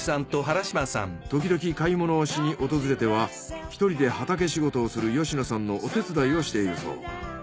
時々買い物をしに訪れては１人で畑仕事をする吉野さんのお手伝いをしているそう。